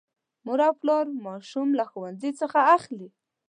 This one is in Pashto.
مور او پلا ماشوم له ښوونځي څخه اخلي.